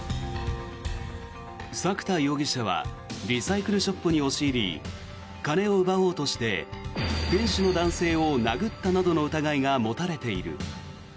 作田容疑者はリサイクルショップに押し入り金を奪おうとして店主の男性を殴ったなどの疑いが持たれている。